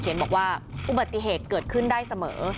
บอกว่าอุบัติเหตุเกิดขึ้นได้เสมอ